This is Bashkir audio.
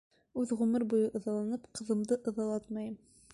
Үҙем ғүмер буйы ыҙаланым, ҡыҙымды ыҙалатмайым!